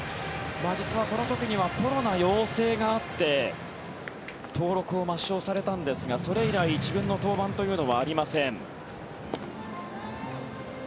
実はこの時にはコロナ陽性があって登録を抹消されたんですがそれ以来１軍の登板というのはありません。